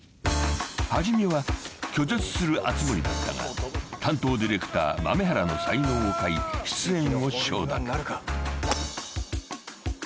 ［初めは拒絶する熱護だったが担当ディレクター豆原の才能を買い出演を承諾］